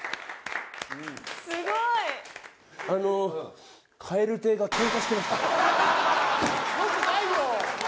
すごいよくないよ